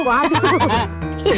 gua habis pikir